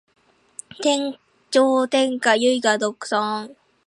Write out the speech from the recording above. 天上天下唯我独尊